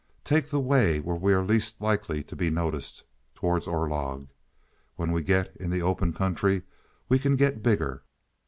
"Take the way where we are least likely to be noticed towards Orlog. When we get in the open country we can get bigger."